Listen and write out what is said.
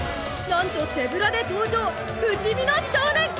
なんと手ぶらで登場不死身の少年！